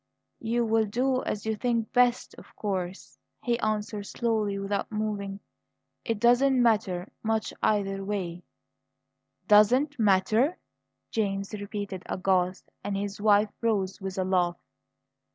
"You will do as you think best, of course," he answered slowly, without moving. "It doesn't matter much either way." "Doesn't matter?" James repeated, aghast; and his wife rose with a laugh.